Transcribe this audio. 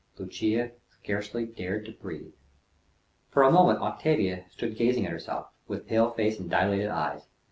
Lucia scarcely dared to breathe. For a moment Octavia stood gazing at herself, with pale face and dilated eyes.